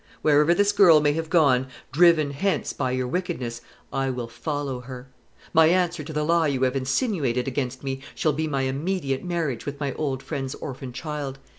"Wherever this girl may have gone, driven hence by your wickedness, I will follow her. My answer to the lie you have insinuated against me shall be my immediate marriage with my old friend's orphan child.